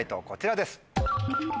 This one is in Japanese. こちらです。